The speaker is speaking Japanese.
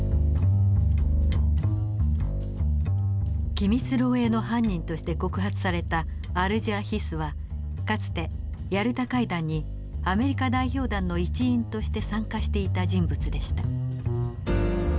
機密漏洩の犯人として告発されたアルジャー・ヒスはかつてヤルタ会談にアメリカ代表団の一員として参加していた人物でした。